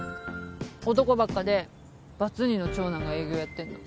男ばっかでバツ２の長男が営業やってんの。